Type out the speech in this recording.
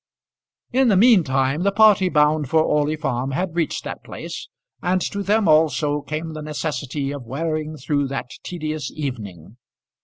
In the mean time the party bound for Orley Farm had reached that place, and to them also came the necessity of wearing through that tedious evening.